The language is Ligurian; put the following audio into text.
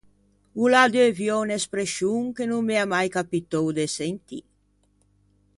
O l’à deuviou unn’esprescion che no m’ea mai capitou de sentî.